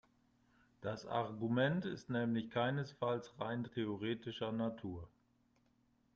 Das Argument ist nämlich keinesfalls rein theoretischer Natur.